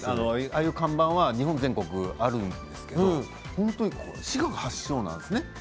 ああいう看板は日本全国あるんですけど滋賀が発祥なんですね。